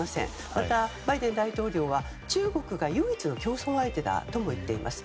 また、バイデン大統領は中国が唯一の競争相手だとも言っています。